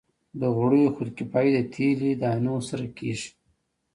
د غوړیو خودکفايي د تیلي دانو سره کیږي.